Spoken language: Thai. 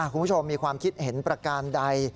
คุณผู้ชมมีความคิดเห็นประการใด